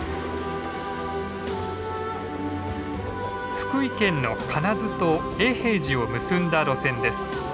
福井県の金津と永平寺を結んだ路線です。